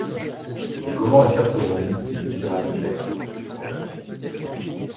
Mais comment écarterons-nous ces misérables nègres? demanda Kennedy.